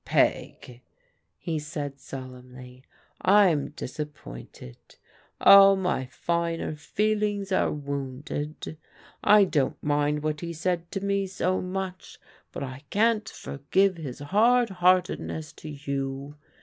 " Peg," he said solemnly, " I'm disappointed. All my finer feelings are wounded. I don't mind what he said to me so much, but I can't forgive his hard heartedness to you.